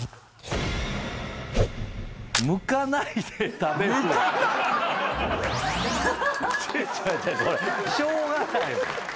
むかない⁉・しょうがない。